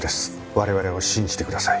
我々を信じてください。